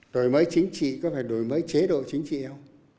đổi mới chính trị có phải đổi mới chế độ chính trị không